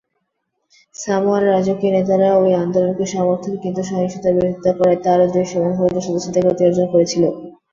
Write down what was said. Samoan রাজকীয় নেতারা এই আন্দোলনকে সমর্থন কিন্তু সহিংসতার বিরোধিতা করায় তা আরও দৃশ্যমান হয়ে ওঠার সাথে সাথে গতি অর্জন করেছিল।